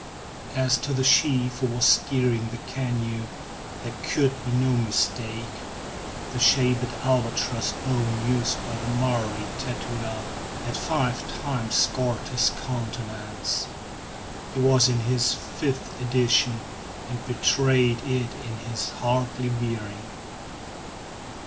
As to the chief who was steering the canoe, there could be no mistake. The sharpened albatross bone used by the Maori tattooer, had five times scored his countenance. He was in his fifth edition, and betrayed it in his haughty bearing.